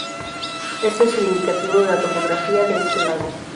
Esto es el indicativo de la topografía de este lago.